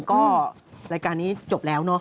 ก็รายการนี้จบแล้วเนาะ